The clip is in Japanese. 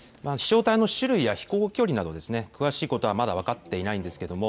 飛しょう体の種類や飛行距離など詳しいことはまだ分かっていません。